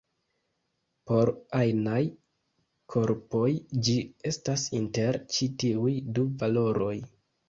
Por ajnaj korpoj ĝi estas inter ĉi tiuj du valoroj.